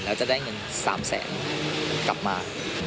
แล้วจะได้เงิน๓แสนกลับมา